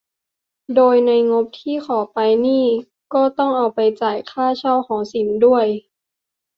โดยในงบที่ขอไปนี่ก็ต้องเอาไปจ่ายค่าเช่าหอศิลป์ด้วย